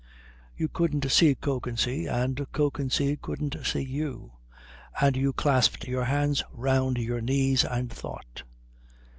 You couldn't see Kökensee and Kökensee couldn't see you, and you clasped your hands round your knees and thought.